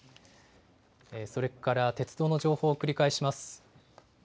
それから鉄道の情報を繰り返します。